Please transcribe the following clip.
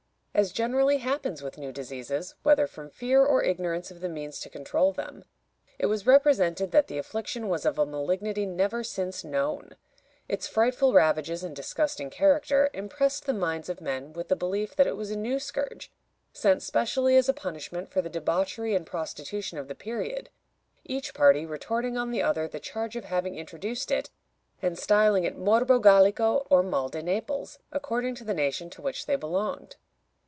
As generally happens with new diseases, whether from fear or ignorance of the means to control them, it was represented that the affliction was of a malignity never since known. Its frightful ravages and disgusting character impressed the minds of men with a belief that it was a new scourge, sent specially as a punishment for the debauchery and prostitution of the period, each party retorting on the other the charge of having introduced it, and styling it Morbo Gallico or Mal de Naples, according to the nation to which they belonged.